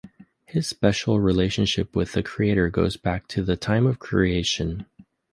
His special relationship with the Creator goes back to the time of creation.